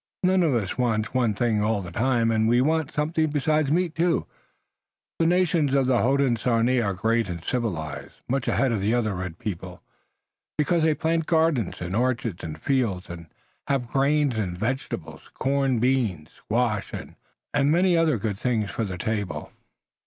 None of us wants one thing all the time, and we want something besides meat, too. The nations of the Hodenosaunee are great and civilized, much ahead of the other red people, because they plant gardens and orchards and fields, and have grain and vegetables, corn, beans, squash and many other things good for the table."